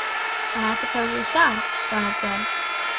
"And I suppose we shall," Ronald said.